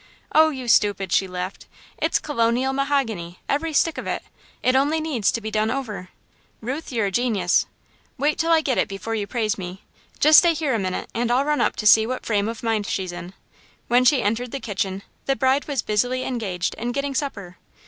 "Oh, you stupid," she laughed, "it's colonial mahogany, every stick of it! It only needs to be done over!" "Ruth, you're a genius." "Wait till I get it, before you praise me. Just stay here a minute and I'll run up to see what frame of mind she's in." When she entered the kitchen, the bride was busily engaged in getting supper.